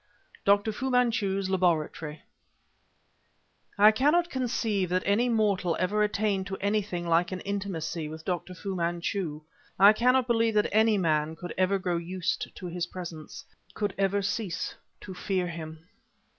DR. FU MANCHU'S LABORATORY I cannot conceive that any ordinary mortal ever attained to anything like an intimacy with Dr. Fu Manchu; I cannot believe that any man could ever grow used to his presence, could ever cease to fear him.